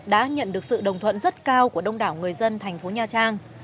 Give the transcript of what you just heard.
đã nhận được sự đồng thuận rất cao của đông đảo người dân thành phố nha trang